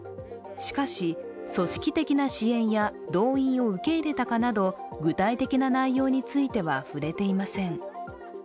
しかし、組織的な支援や動員を受け入れたかなど、具体的な内容については触れていません。